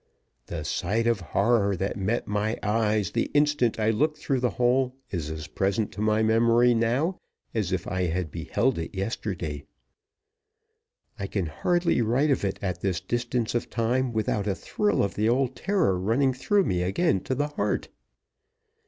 The sight of horror that met my eyes the instant I looked through the hole is as present to my memory now as if I had beheld it yesterday. I can hardly write of it at this distance of time without a thrill of the old terror running through me again to the heart.